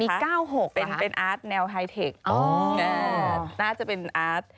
๙๖เป็นอาร์ตแนวไฮเทคน่าจะเป็นอาร์ต